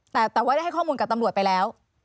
แต่ว่าได้ให้ข้อมูลกับตำรวจไปแล้ว